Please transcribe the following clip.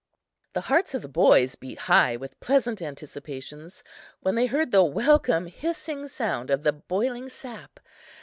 The hearts of the boys beat high with pleasant anticipations when they heard the welcome hissing sound of the boiling sap!